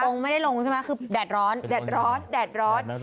ไม่ได้ลงใช่ไหมคือแดดร้อนแดดร้อนแดดร้อน